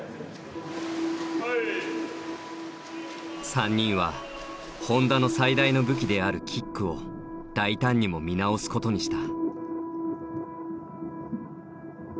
３人は本多の最大の武器であるキックを大胆にも見直すことにした。